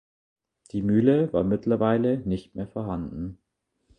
Die Mühle war mittlerweile nicht mehr vorhanden.